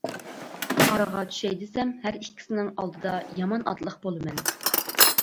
ئارىغا چۈشەي دېسەم ھەر ئىككىسىنىڭ ئالدىدا يامان ئاتلىق بولىمەن.